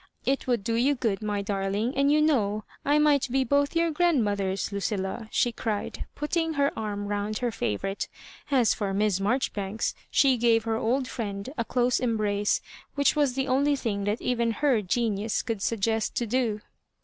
It would do you good, my darling ; and you know I might be both your grandmothers, Lucilla," she cried, put ting her arm round her favourite. As for Miss Marjoribanks, she gave her old friend a close em Digitized by VjOOQIC 110 inSS MABJORIBANEa brace, winch was the only thing that even her genius could suggest to do.